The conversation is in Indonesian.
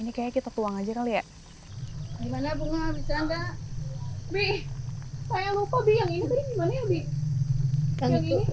ini kayaknya kita tuang aja kali ya gimana bunga bisa anda bih saya lupa